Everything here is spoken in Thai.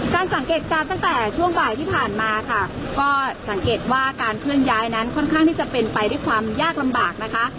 สังเกตการณ์ตั้งแต่ช่วงบ่ายที่ผ่านมาค่ะก็สังเกตว่าการเคลื่อนย้ายนั้นค่อนข้างที่จะเป็นไปด้วยความยากลำบากนะคะ